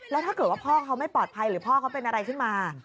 แล้วถ้าเกิดว่าพ่อเขาไม่ปลอดภัยหรือพ่อเขาเป็นอะไรขึ้นมา